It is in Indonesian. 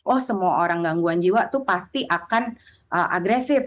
oh semua orang gangguan jiwa itu pasti akan agresif